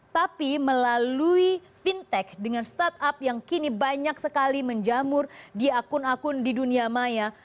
tapi melalui fintech dengan startup yang kini banyak sekali menjamur di akun akun di dunia maya